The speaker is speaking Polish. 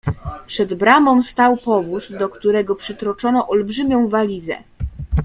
Przed bramą stał powóz, do którego przytroczono olbrzymią walizę.